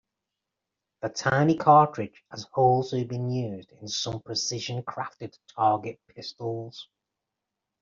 The tiny cartridge has also been used in some precision crafted target pistols.